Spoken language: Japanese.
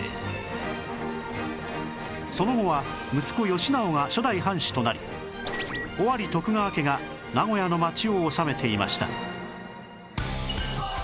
その後は息子義直が初代藩主となり尾張徳川家が名古屋の町を治めていました